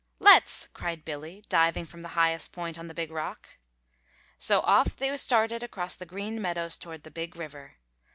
"Let's!" cried Billy, diving from the highest point on the Big Rock. So off they started across the Green Meadows towards the Big River.